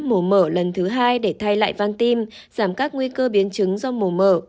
mổ mở lần thứ hai để thay lại van tim giảm các nguy cơ biến chứng do mổ mở